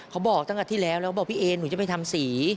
เขาบอกตั้งแต่ที่แล้วแล้วบอกพี่เอหนูจะไปทำสี